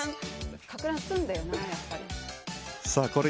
かく乱するんだよな、やっぱり。